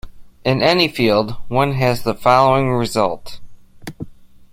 In any field, one has the following result.